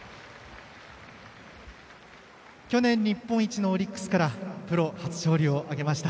去年日本一のオリックスからプロ初勝利を挙げました。